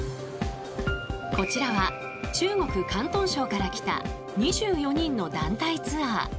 こちらは中国・広東省から来た２４人の団体ツアー。